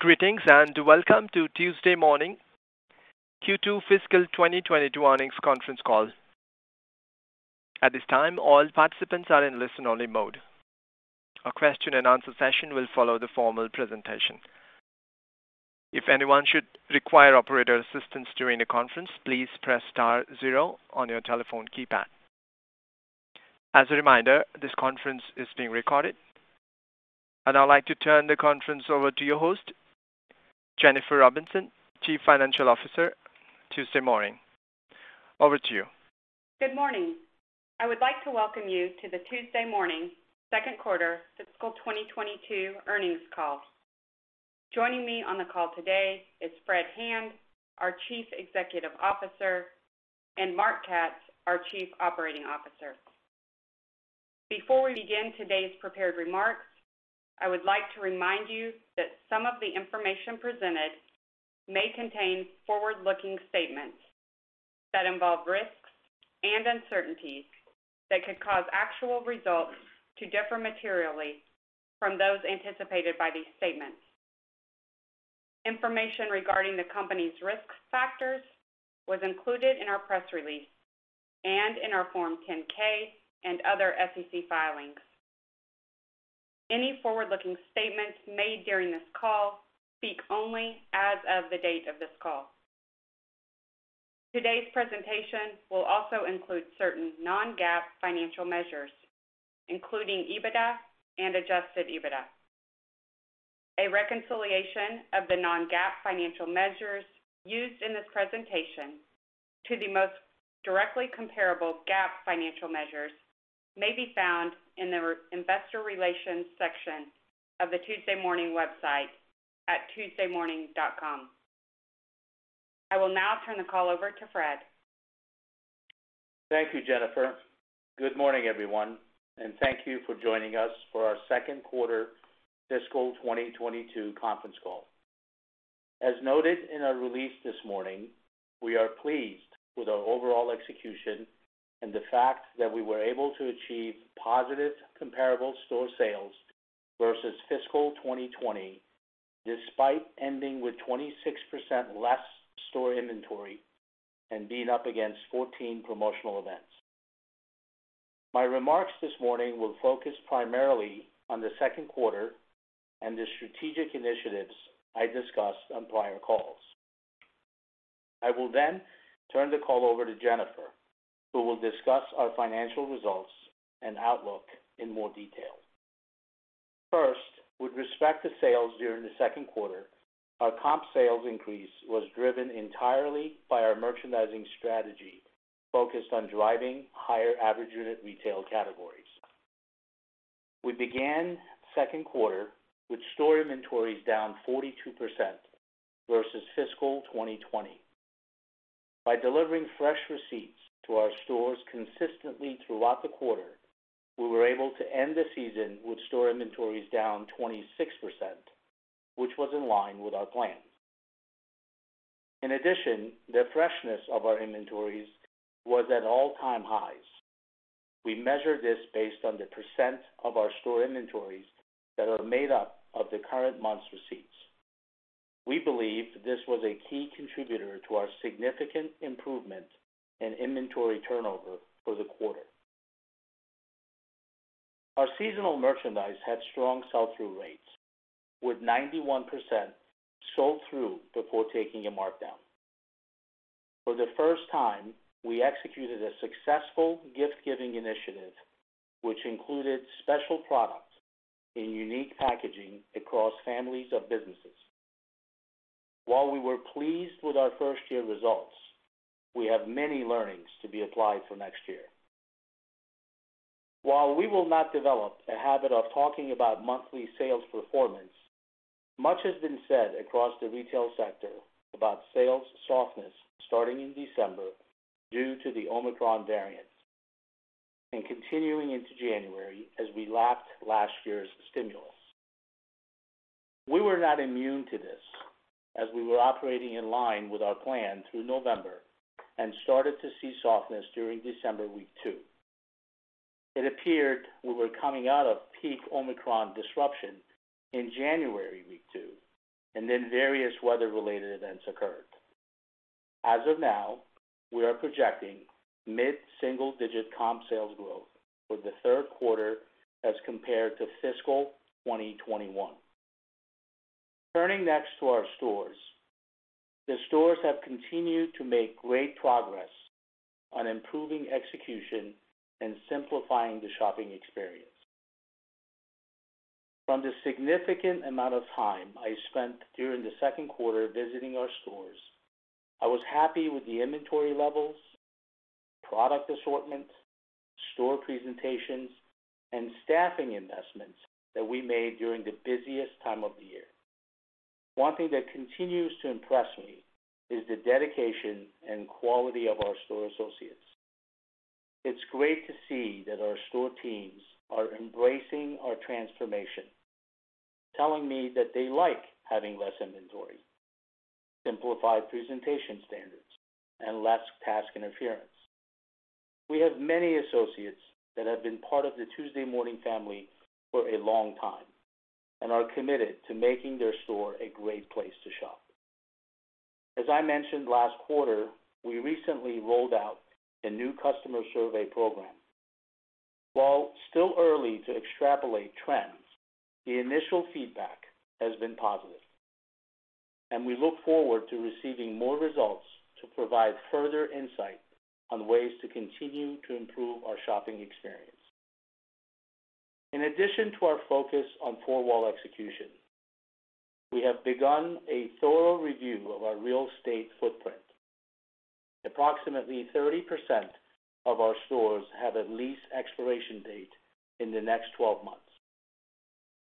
Greetings, and welcome to Tuesday Morning Q2 fiscal 2022 earnings conference call. At this time, all participants are in listen-only mode. A Q&A session will follow the formal presentation. If anyone should require operator assistance during the conference, please press star 0 on your telephone keypad. As a reminder, this conference is being recorded. I'd now like to turn the conference over to your host, Jennifer Robinson, Chief Financial Officer, Tuesday Morning. Over to you. Good morning. I would like to welcome you to the Tuesday Morning second quarter fiscal 2022 earnings call. Joining me on the call today is Fred Hand, our Chief Executive Officer, and Marc Katz, our Chief Operating Officer. Before we begin today's prepared remarks, I would like to remind you that some of the information presented may contain forward-looking statements that involve risks and uncertainties that could cause actual results to differ materially from those anticipated by these statements. Information regarding the company's risk factors was included in our press release and in our form 10-K and other SEC filings. Any forward-looking statements made during this call speak only as of the date of this call. Today's presentation will also include certain non-GAAP financial measures, including EBITDA and adjusted EBITDA. A reconciliation of the non-GAAP financial measures used in this presentation to the most directly comparable GAAP financial measures may be found in the Investor Relations section of the Tuesday Morning website at tuesdaymorning.com. I will now turn the call over to Fred. Thank you, Jennifer. Good morning, everyone, and thank you for joining us for our second quarter fiscal 2022 conference call. As noted in our release this morning, we are pleased with our overall execution and the fact that we were able to achieve positive comparable store sales versus fiscal 2020, despite ending with 26% less store inventory and being up against 14 promotional events. My remarks this morning will focus primarily on the second quarter and the strategic initiatives I discussed on prior calls. I will then turn the call over to Jennifer, who will discuss our financial results and outlook in more detail. First, with respect to sales during the second quarter, our comp sales increase was driven entirely by our merchandising strategy focused on driving higher average unit retail categories. We began second quarter with store inventories down 42% versus fiscal 2020. By delivering fresh receipts to our stores consistently throughout the quarter, we were able to end the season with store inventories down 26%, which was in line with our plan. In addition, the freshness of our inventories was at all-time highs. We measure this based on the percent of our store inventories that are made up of the current month's receipts. We believe this was a key contributor to our significant improvement in inventory turnover for the quarter. Our seasonal merchandise had strong sell-through rates, with 91% sold through before taking a markdown. For the first time, we executed a successful gift-giving initiative, which included special products in unique packaging across families of businesses. While we were pleased with our 1 year results, we have many learnings to be applied for next year. While we will not develop a habit of talking about monthly sales performance, much has been said across the retail sector about sales softness starting in December due to the Omicron variant and continuing into January as we lacked last year's stimulus. We were not immune to this, as we were operating in line with our plan through November and started to see softness during December week 2. It appeared we were coming out of peak Omicron disruption in January week 2, and then various weather-related events occurred. As of now, we are projecting mid-single-digit comp sales growth for the third quarter as compared to fiscal 2021. Turning next to our stores. The stores have continued to make great progress on improving execution and simplifying the shopping experience. From the significant amount of time I spent during the second quarter visiting our stores, I was happy with the inventory levels, product assortments, store presentations, and staffing investments that we made during the busiest time of the year. One thing that continues to impress me is the dedication and quality of our store associates. It's great to see that our store teams are embracing our transformation, telling me that they like having less inventory, simplified presentation standards, and less task interference. We have many associates that have been part of the Tuesday Morning family for a long time and are committed to making their store a great place to shop. As I mentioned last quarter, we recently rolled out a new customer survey program. While still early to extrapolate trends, the initial feedback has been positive, and we look forward to receiving more results to provide further insight on ways to continue to improve our shopping experience. In addition to our focus on four-wall execution, we have begun a thorough review of our real estate footprint. Approximately 30% of our stores have a lease expiration date in the next 12 months.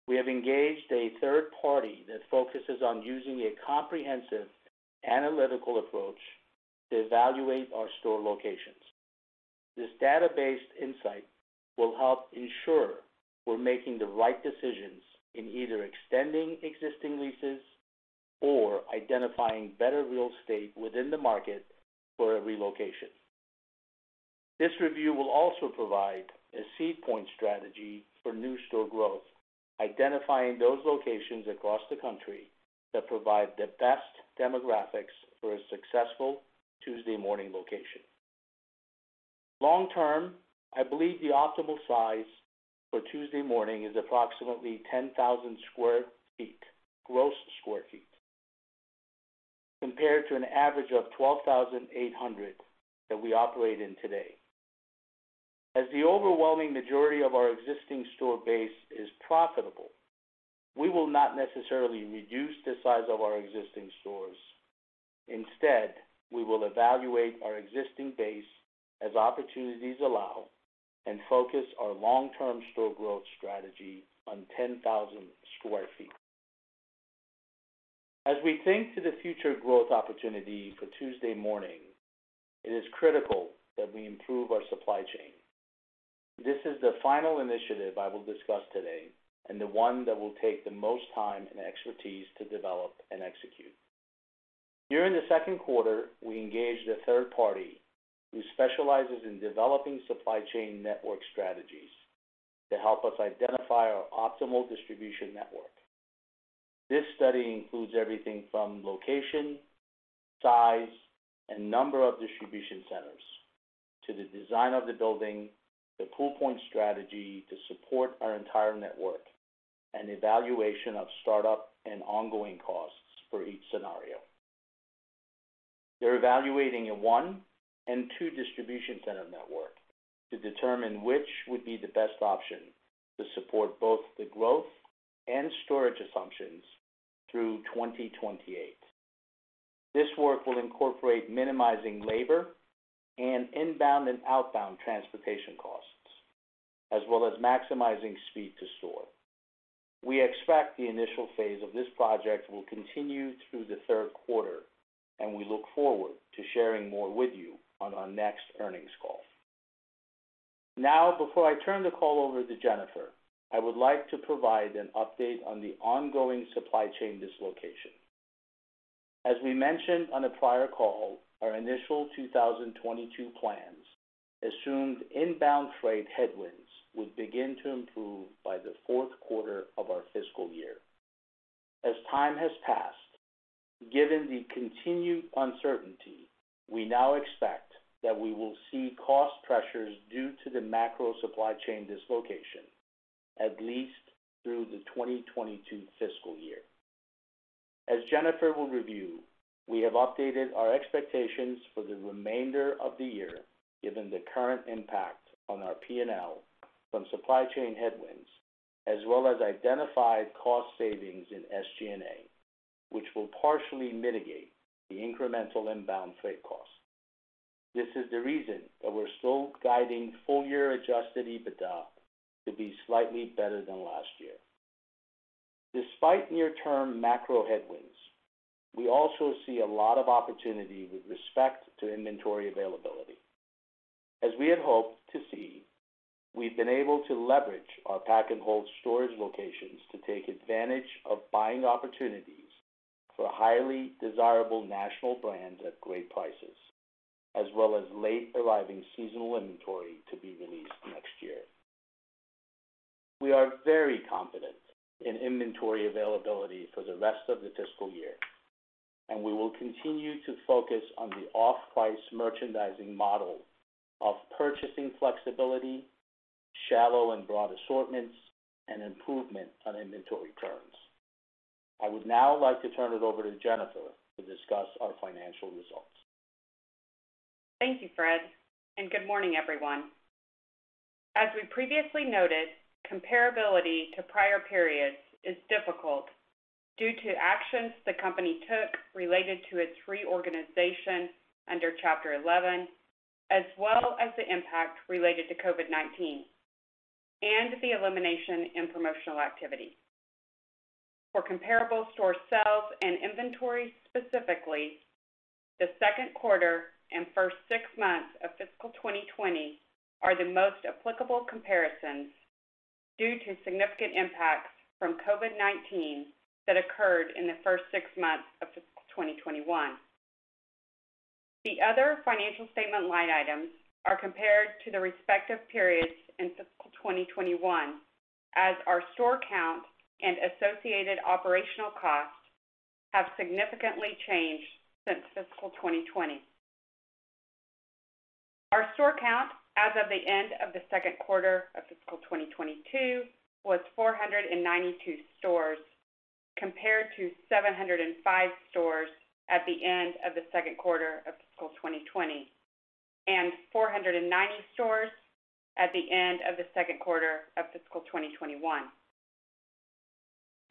We have engaged a third party that focuses on using a comprehensive analytical approach to evaluate our store locations. This data-based insight will help ensure we're making the right decisions in either extending existing leases or identifying better real estate within the market for a relocation. This review will also provide a seed point strategy for new store growth, identifying those locations across the country that provide the best demographics for a successful Tuesday Morning location. Long term, I believe the optimal size for Tuesday Morning is approximately 10,000 sq ft, gross square feet, compared to an average of 12,800 that we operate in today. As the overwhelming majority of our existing store base is profitable, we will not necessarily reduce the size of our existing stores. Instead, we will evaluate our existing base as opportunities allow and focus our long-term store growth strategy on 10,000 sq ft. As we think to the future growth opportunity for Tuesday Morning, it is critical that we improve our supply chain. This is the final initiative I will discuss today, and the one that will take the most time and expertise to develop and execute. During the second quarter, we engaged a third party who specializes in developing supply chain network strategies to help us identify our optimal distribution network. This study includes everything from location, size, and number of distribution centers, to the design of the building, the pull point strategy to support our entire network, and evaluation of startup and ongoing costs for each scenario. They're evaluating a one and two distribution center network to determine which would be the best option to support both the growth and storage assumptions through 2028. This work will incorporate minimizing labor and inbound and outbound transportation costs, as well as maximizing speed to store. We expect the initial phase of this project will continue through the third quarter, and we look forward to sharing more with you on our next earnings call. Now, before I turn the call over to Jennifer, I would like to provide an update on the ongoing supply chain dislocation. As we mentioned on a prior call, our initial 2022 plans assumed inbound freight headwinds would begin to improve by the fourth quarter of our fiscal year. As time has passed, given the continued uncertainty, we now expect that we will see cost pressures due to the macro supply chain dislocation at least through the 2022 fiscal year. As Jennifer will review, we have updated our expectations for the remainder of the year, given the current impact on our P&L from supply chain headwinds, as well as identified cost savings in SG&A, which will partially mitigate the incremental inbound freight cost. This is the reason that we're still guiding full year adjusted EBITDA to be slightly better than last year. Despite near term macro headwinds, we also see a lot of opportunity with respect to inventory availability. As we had hoped to see, we've been able to leverage our pack-and-hold storage locations to take advantage of buying opportunities for highly desirable national brands at great prices, as well as late arriving seasonal inventory to be released next year. We are very confident in inventory availability for the rest of the fiscal year, and we will continue to focus on the off-price merchandising model of purchasing flexibility, shallow and broad assortments, and improvement on inventory turns. I would now like to turn it over to Jennifer to discuss our financial results. Thank you, Fred, and good morning, everyone. As we previously noted, comparability to prior periods is difficult due to actions the company took related to its reorganization under Chapter 11, as well as the impact related to COVID-19 and the elimination in promotional activity. For comparable store sales and inventory specifically, the second quarter and first 6 months of fiscal 2020 are the most applicable comparisons. Due to significant impacts from COVID-19 that occurred in the first 6 months of fiscal 2021. The other financial statement line items are compared to the respective periods in fiscal 2021, as our store count and associated operational costs have significantly changed since fiscal 2020. Our store count as of the end of the second quarter of fiscal 2022 was 492 stores, compared to 705 stores at the end of the second quarter of fiscal 2020, and 490 stores at the end of the second quarter of fiscal 2021.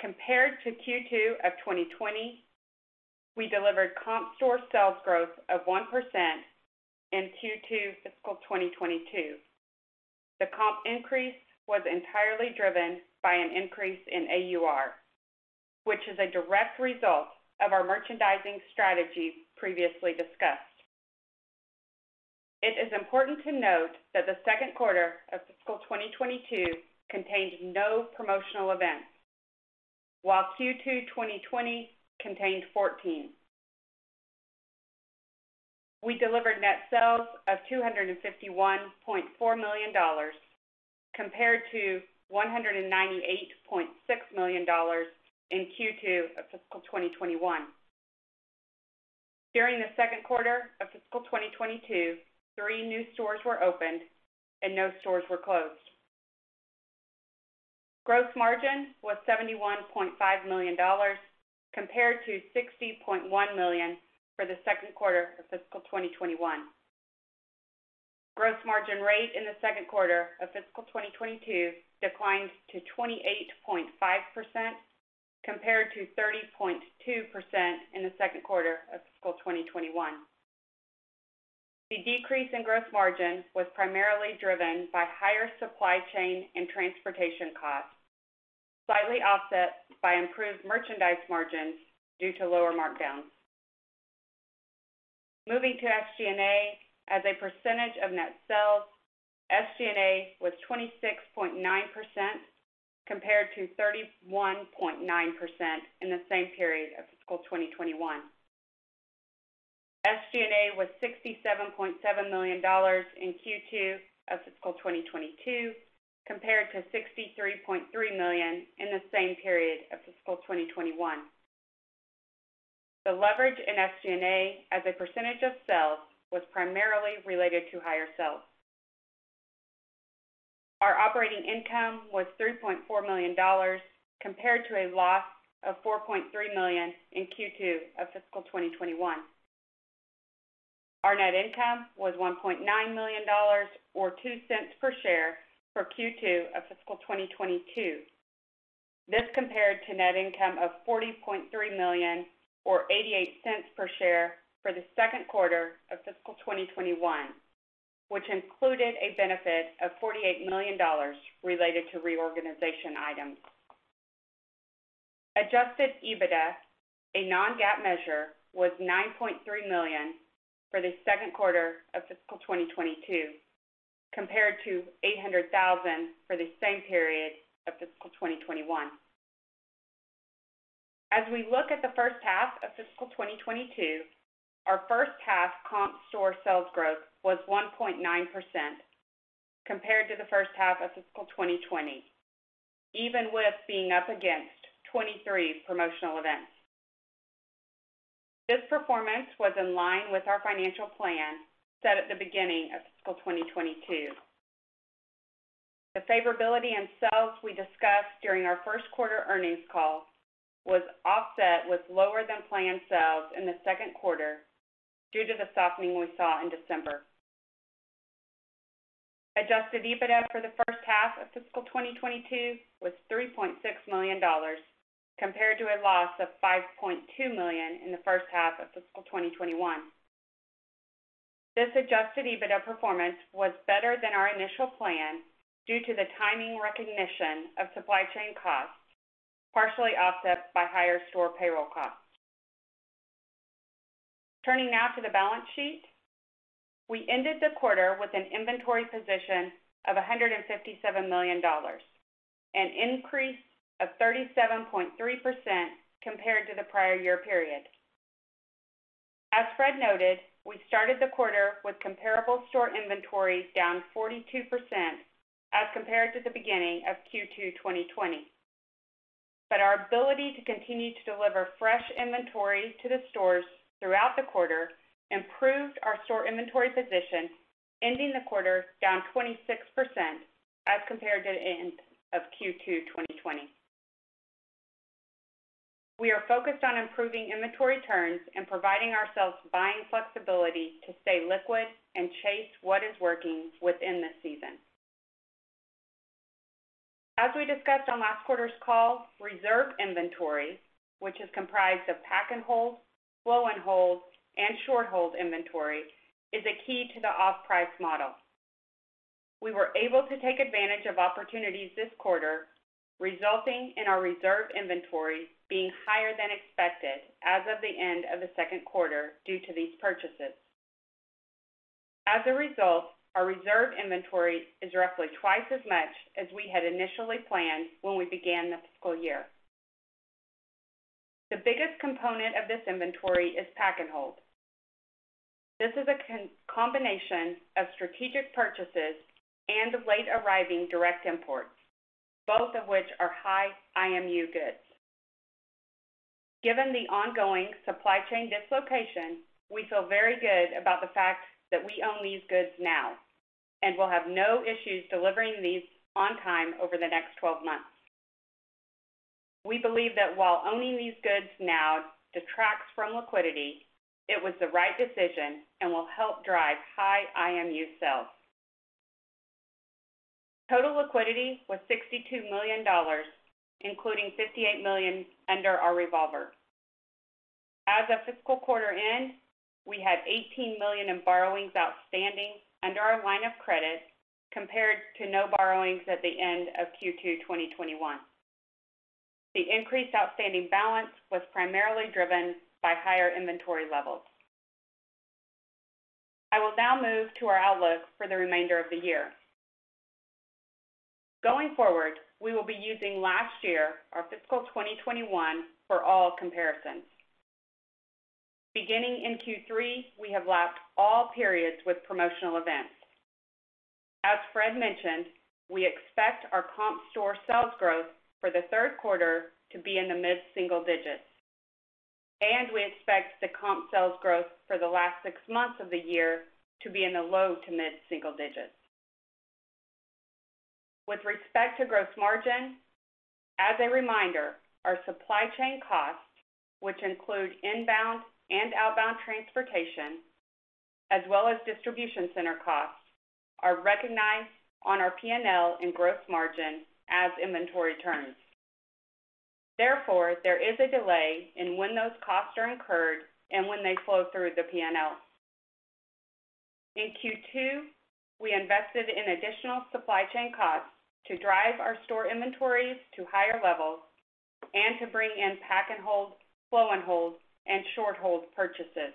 Compared to Q2 of 2020, we delivered comp store sales growth of 1% in Q2 fiscal 2022. The comp increase was entirely driven by an increase in AUR, which is a direct result of our merchandising strategies previously discussed. It is important to note that the second quarter of fiscal 2022 contained no promotional events, while Q2 2020 contained 14. We delivered net sales of $251.4 million compared to $198.6 million in Q2 of fiscal 2021. During the second quarter of fiscal 2022, 3 new stores were opened and no stores were closed. Gross margin was $71.5 million compared to $60.1 million for the second quarter of fiscal 2021. Gross margin rate in the second quarter of fiscal 2022 declined to 28.5% compared to 30.2% in the second quarter of fiscal 2021. The decrease in gross margin was primarily driven by higher supply chain and transportation costs, slightly offset by improved merchandise margins due to lower markdowns. Moving to SG&A, as a percentage of net sales, SG&A was 26.9% compared to 31.9% in the same period of fiscal 2021. SG&A was $67.7 million in Q2 of fiscal 2022 compared to $63.3 million in the same period of fiscal 2021. The leverage in SG&A as a percentage of sales was primarily related to higher sales. Our operating income was $3.4 million compared to a loss of $4.3 million in Q2 of fiscal 2021. Our net income was $1.9 million or $0.02 per share for Q2 of fiscal 2022. This compared to net income of $40.3 million or $0.88 per share for the second quarter of fiscal 2021, which included a benefit of $48 million related to reorganization items. Adjusted EBITDA, a non-GAAP measure, was $9.3 million for the second quarter of fiscal 2022 compared to $800,000 for the same period of fiscal 2021. As we look at the H1 of fiscal 2022, our H1 comp store sales growth was 1.9% compared to the H1 of fiscal 2020, even with being up against 23 promotional events. This performance was in line with our financial plan set at the beginning of fiscal 2022. The favorability in sales we discussed during our first quarter earnings call was offset with lower than planned sales in the second quarter due to the softening we saw in December. Adjusted EBITDA for the H1 of fiscal 2022 was $3.6 million compared to a loss of $5.2 million in the H1 of fiscal 2021. This adjusted EBITDA performance was better than our initial plan due to the timing recognition of supply chain costs, partially offset by higher store payroll costs. Turning now to the balance sheet, we ended the quarter with an inventory position of $157 million, an increase of 37.3% compared to the prior year period. As Fred noted, we started the quarter with comparable store inventory down 42% as compared to the beginning of Q2 2020. Our ability to continue to deliver fresh inventory to the stores throughout the quarter improved our store inventory position, ending the quarter down 26% as compared to the end of Q2 2020. We are focused on improving inventory turns and providing ourselves buying flexibility to stay liquid and chase what is working within the season. As we discussed on last quarter's call, reserve inventory, which is comprised of pack and holds, flow and holds, and short hold inventory, is a key to the off-price model. We were able to take advantage of opportunities this quarter, resulting in our reserve inventory being higher than expected as of the end of the second quarter due to these purchases. As a result, our reserve inventory is roughly twice as much as we had initially planned when we began the fiscal year. The biggest component of this inventory is pack and hold. This is a combination of strategic purchases and late arriving direct imports, both of which are high IMU goods. Given the ongoing supply chain dislocation, we feel very good about the fact that we own these goods now and will have no issues delivering these on time over the next 12 months. We believe that while owning these goods now detracts from liquidity, it was the right decision and will help drive high IMU sales. Total liquidity was $62 million, including $58 million under our revolver. As of fiscal quarter end, we had $18 million in borrowings outstanding under our line of credit compared to no borrowings at the end of Q2 2021. The increased outstanding balance was primarily driven by higher inventory levels. I will now move to our outlook for the remainder of the year. Going forward, we will be using last year, our fiscal 2021, for all comparisons. Beginning in Q3, we have lapped all periods with promotional events. As Fred mentioned, we expect our comp store sales growth for the third quarter to be in the mid-single digits, and we expect the comp sales growth for the last 6 months of the year to be in the low to mid-single digits. With respect to gross margin, as a reminder, our supply chain costs, which include inbound and outbound transportation, as well as distribution center costs, are recognized on our P&L and gross margin as inventory turns. Therefore, there is a delay in when those costs are incurred and when they flow through the P&L. In Q2, we invested in additional supply chain costs to drive our store inventories to higher levels and to bring in pack and hold, flow and hold, and short hold purchases.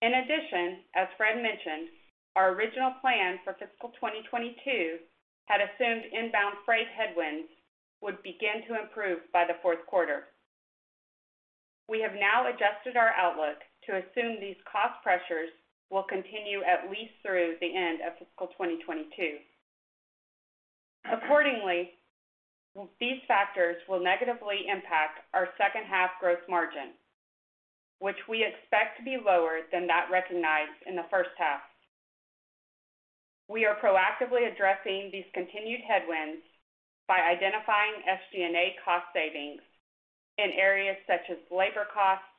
In addition, as Fred mentioned, our original plan for fiscal 2022 had assumed inbound freight headwinds would begin to improve by the fourth quarter. We have now adjusted our outlook to assume these cost pressures will continue at least through the end of fiscal 2022. Accordingly, these factors will negatively impact our H2 gross margin, which we expect to be lower than that recognized in the H1 We are proactively addressing these continued headwinds by identifying SG&A cost savings in areas such as labor costs,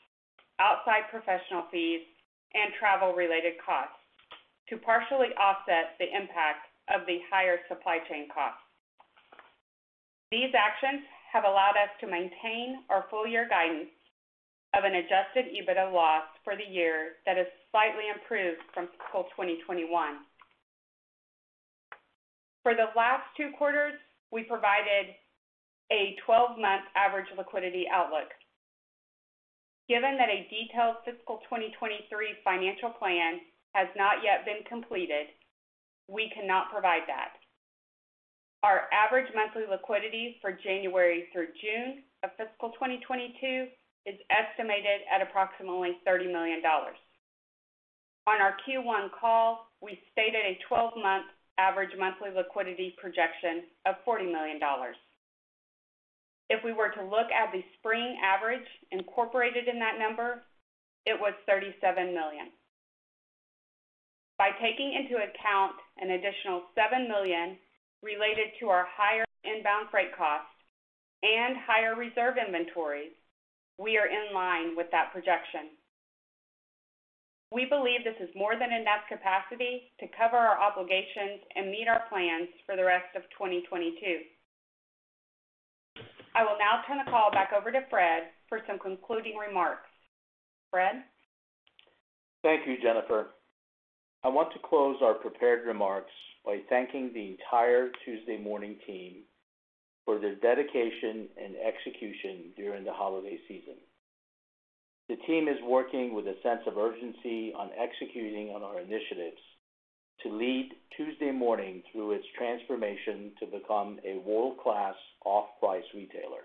outside professional fees, and travel related costs to partially offset the impact of the higher supply chain costs. These actions have allowed us to maintain our full year guidance of an adjusted EBITDA loss for the year that is slightly improved from fiscal 2021. For the last two quarters, we provided a 12-month average liquidity outlook. Given that a detailed fiscal 2023 financial plan has not yet been completed, we cannot provide that. Our average monthly liquidity for January through June of fiscal 2022 is estimated at approximately $30 million. On our Q1 call, we stated a 12-month average monthly liquidity projection of $40 million. If we were to look at the spring average incorporated in that number, it was $37 million. By taking into account an additional $7 million related to our higher inbound freight costs and higher reserve inventories, we are in line with that projection. We believe this is more than enough capacity to cover our obligations and meet our plans for the rest of 2022. I will now turn the call back over to Fred for some concluding remarks. Fred? Thank you, Jennifer. I want to close our prepared remarks by thanking the entire Tuesday Morning team for their dedication and execution during the holiday season. The team is working with a sense of urgency on executing on our initiatives to lead Tuesday Morning through its transformation to become a world-class off-price retailer.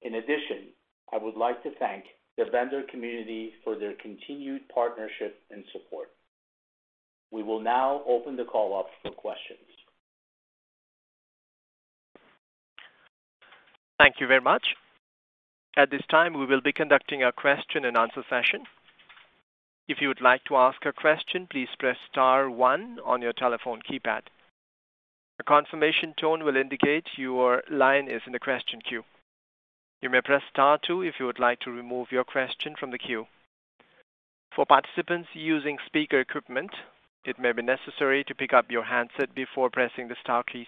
In addition, I would like to thank the vendor community for their continued partnership and support. We will now open the call up for questions. Thank you very much. At this time, we will be conducting a question and answer session. If you would like to ask a question, please press star one on your telephone keypad. A confirmation tone will indicate your line is in the question queue. You may press star two if you would like to remove your question from the queue. For participants using speaker equipment, it may be necessary to pick up your handset before pressing the star keys.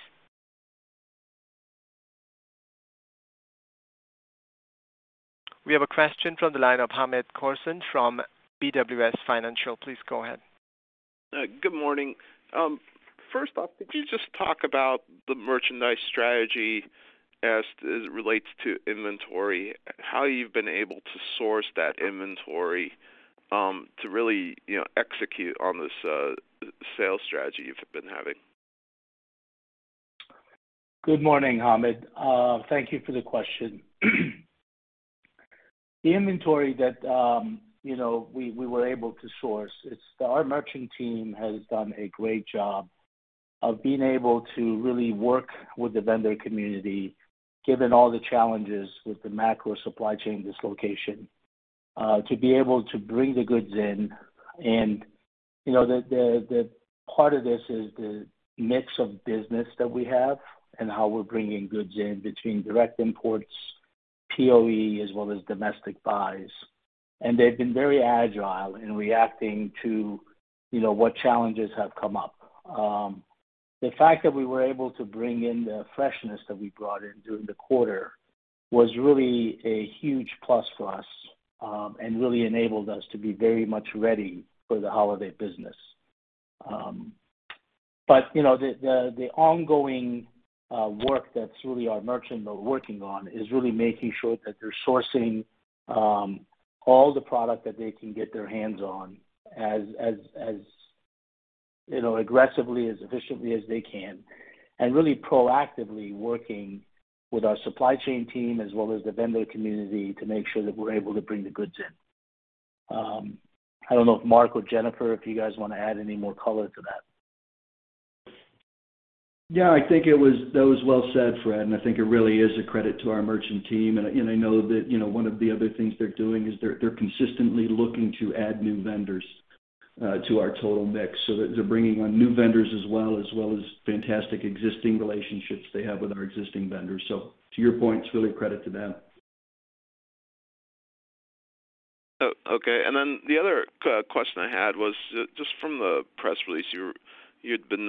We have a question from the line of Hamed Khorsand from BWS Financial. Please go ahead. Good morning. First off, could you just talk about the merchandise strategy as it relates to inventory? How you've been able to source that inventory to really, you know, execute on this sales strategy you've been having. Good morning, Hamed. Thank you for the question. The inventory that you know we were able to source. Our merchant team has done a great job of being able to really work with the vendor community, given all the challenges with the macro supply chain dislocation, to be able to bring the goods in. You know, the part of this is the mix of business that we have and how we're bringing goods in between direct imports, POE, as well as domestic buys. They've been very agile in reacting to you know what challenges have come up. The fact that we were able to bring in the freshness that we brought in during the quarter was really a huge plus for us, and really enabled us to be very much ready for the holiday business. The ongoing work that's really our merchant are working on is really making sure that they're sourcing all the product that they can get their hands on as you know, aggressively, as efficiently as they can, and really proactively working with our supply chain team as well as the vendor community to make sure that we're able to bring the goods in. I don't know if Marc or Jennifer, if you guys wanna add any more caller to that. I think that was well said, Fred. I think it really is a credit to our merchant team. I know that, you know, one of the other things they're doing is they're consistently looking to add new vendors to our total mix, so that they're bringing on new vendors as well as fantastic existing relationships they have with our existing vendors. To your point, it's really a credit to them. Okay. The other question I had was just from the press release. You'd been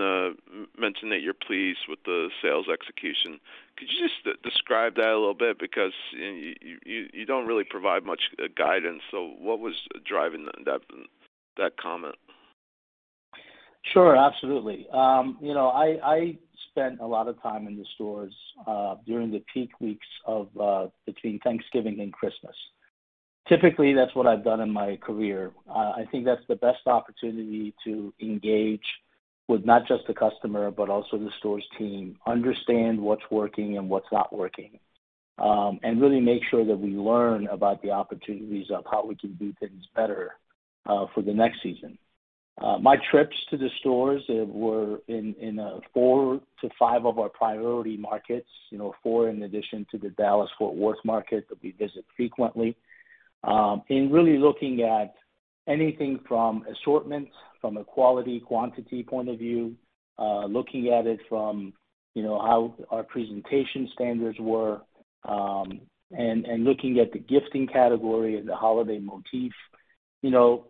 mentioning that you're pleased with the sales execution. Could you just describe that a little bit? Because you don't really provide much guidance, so what was driving that comment? Sure. Absolutely. You know, I spent a lot of time in the stores during the peak weeks between Thanksgiving and Christmas. Typically, that's what I've done in my career. I think that's the best opportunity to engage with not just the customer, but also the stores team, understand what's working and what's not working, and really make sure that we learn about the opportunities of how we can do things better for the next season. My trips to the stores were in 4-5 of our priority markets. You know, 4 in addition to the Dallas-Fort Worth market that we visit frequently. Really looking at anything from assortment, from a quality, quantity point of view, looking at it from, you know, how our presentation standards were, and looking at the gifting category and the holiday motif. You know,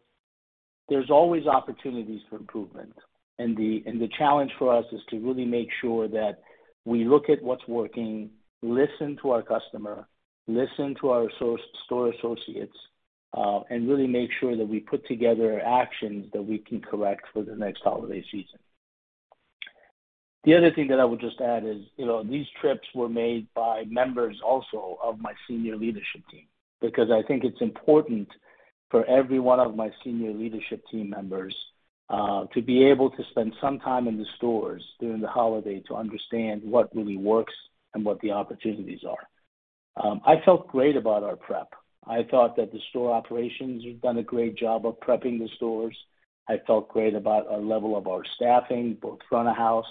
there's always opportunities for improvement. The challenge for us is to really make sure that we look at what's working, listen to our customer, listen to our store associates, and really make sure that we put together actions that we can correct for the next holiday season. The other thing that I would just add is, you know, these trips were made by members also of my senior leadership team, because I think it's important for every one of my senior leadership team members to be able to spend some time in the stores during the holiday to understand what really works and what the opportunities are. I felt great about our prep. I thought that the store operations have done a great job of prepping the stores. I felt great about our level of staffing, both front of house,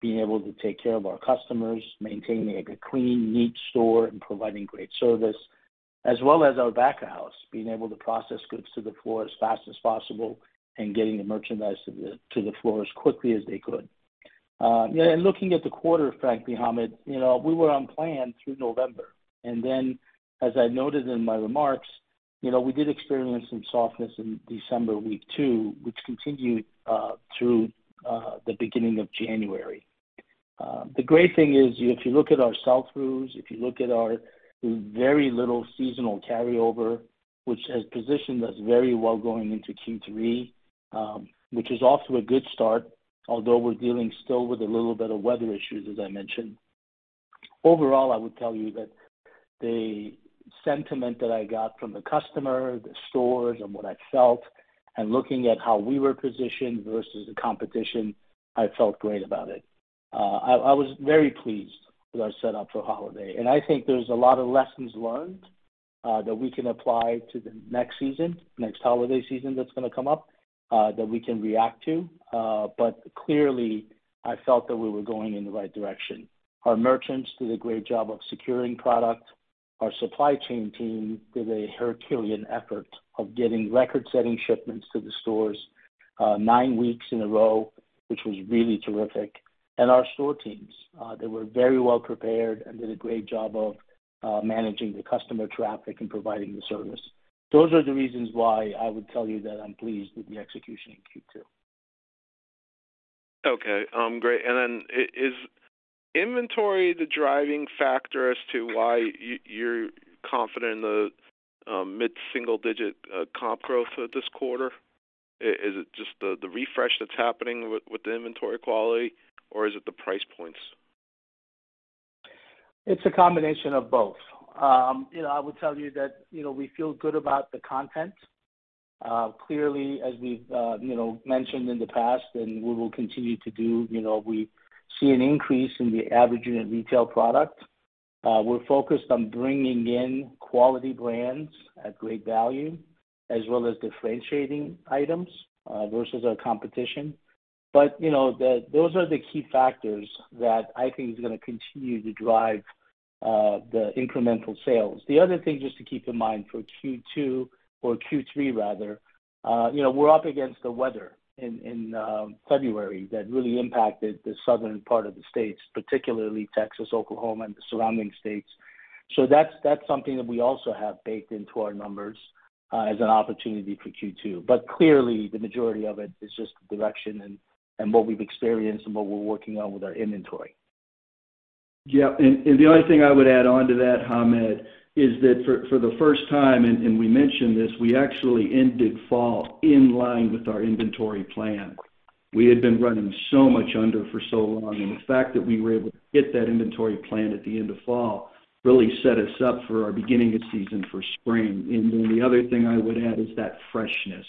being able to take care of our customers, maintaining a clean, neat store and providing great service, as well as our back of house, being able to process goods to the floor as fast as possible and getting the merchandise to the floor as quickly as they could. Looking at the quarter, frankly, Hamed, you know, we were on plan through November. Then, as I noted in my remarks, you know, we did experience some softness in December week two, which continued through the beginning of January. The great thing is if you look at our sell-throughs, if you look at our very little seasonal carryover, which has positioned us very well going into Q3, which is off to a good start, although we're dealing still with a little bit of weather issues, as I mentioned. Overall, I would tell you that the sentiment that I got from the customer, the stores and what I felt, and looking at how we were positioned versus the competition, I felt great about it. I was very pleased with our set up for holiday. I think there's a lot of lessons learned that we can apply to the next season, next holiday season that's gonna come up that we can react to. Clearly, I felt that we were going in the right direction. Our merchants did a great job of securing product. Our supply chain team did a Herculean effort of getting record-setting shipments to the stores, nine weeks in a row, which was really terrific. Our store teams, they were very well prepared and did a great job of managing the customer traffic and providing the service. Those are the reasons why I would tell you that I'm pleased with the execution in Q2. Okay. Great. Is inventory the driving factor as to why you're confident in the mid-single digit comp growth for this quarter? Is it just the refresh that's happening with the inventory quality or is it the price points? It's a combination of both. You know, I would tell you that, you know, we feel good about the content. Clearly, as we've, you know, mentioned in the past and we will continue to do, you know, we see an increase in the average unit retail product. We're focused on bringing in quality brands at great value as well as differentiating items, versus our competition. You know, those are the key factors that I think is gonna continue to drive the incremental sales. The other thing just to keep in mind for Q2 or Q3 rather, you know, we're up against the weather in February that really impacted the southern part of the states, particularly Texas, Oklahoma, and the surrounding states. That's something that we also have baked into our numbers, as an opportunity for Q2. Clearly, the majority of it is just the direction and what we've experienced and what we're working on with our inventory. Yeah. The only thing I would add on to that, Hamed, is that for the first time, we mentioned this, we actually ended fall in line with our inventory plan. We had been running so much under for so long, and the fact that we were able to hit that inventory plan at the end of fall really set us up for our beginning of season for spring. The other thing I would add is that freshness.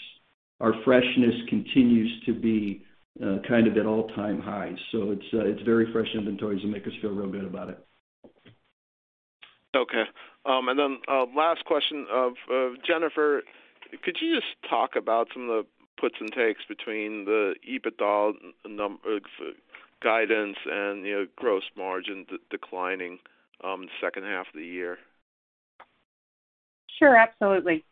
Our freshness continues to be kind of at all-time highs. It's very fresh inventories and make us feel real good about it. Okay. Last question for Jennifer, could you just talk about some of the puts and takes between the EBITDA guidance and, you know, gross margin declining, H2 of the year? Sure. Absolutely.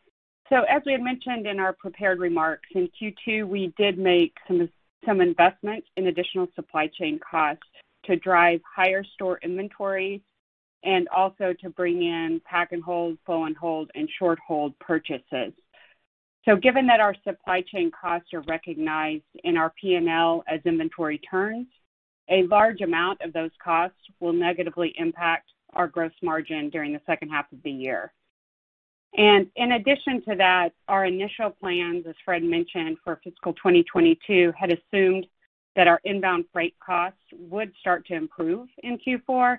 As we had mentioned in our prepared remarks, in Q2, we did make some investments in additional supply chain costs to drive higher store inventory and also to bring in pack and hold, flow and hold, and short hold purchases. Given that our supply chain costs are recognized in our P&L as inventory turns, a large amount of those costs will negatively impact our gross margin during the H2 of the year. In addition to that, our initial plans, as Fred mentioned, for fiscal 2022, had assumed that our inbound freight costs would start to improve in Q4.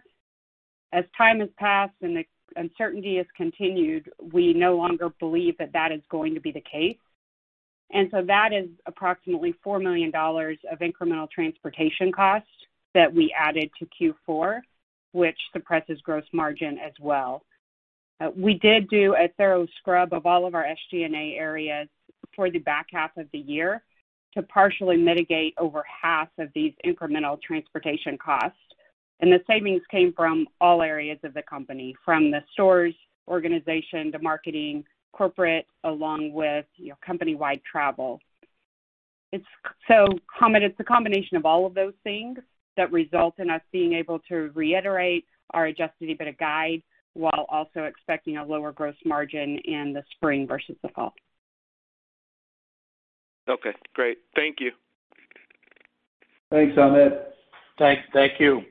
As time has passed and the uncertainty has continued, we no longer believe that that is going to be the case. That is approximately $4 million of incremental transportation costs that we added to Q4, which suppresses gross margin as well. We did do a thorough scrub of all of our SG&A areas for the back half of the year to partially mitigate over half of these incremental transportation costs. The savings came from all areas of the company, from the stores, operations, the marketing, corporate, along with, you know, company-wide travel. Hamed, it's a combination of all of those things that result in us being able to reiterate our adjusted EBITDA guide while also expecting a lower gross margin in the spring versus the fall. Okay, great. Thank you. Thanks, Hamed. Thank you.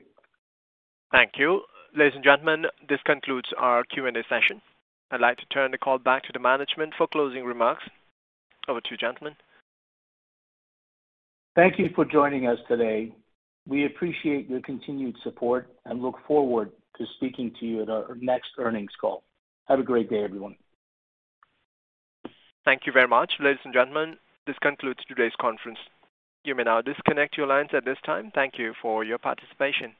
Thank you. Ladies and gentlemen, this concludes our Q&A session. I'd like to turn the call back to the management for closing remarks. Over to you, gentlemen. Thank you for joining us today. We appreciate your continued support and look forward to speaking to you at our next earnings call. Have a great day, everyone. Thank you very much. Ladies and gentlemen, this concludes today's conference. You may now disconnect your lines at this time. Thank you for your participation.